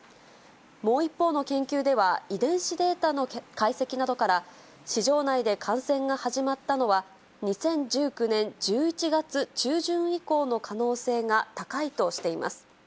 もう一方の研究では、遺伝子データの解析などから、市場内で感染が始まったのは、２０１９年１１月中旬以降の可能性が高いとしています。